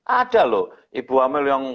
ada loh ibu hamil yang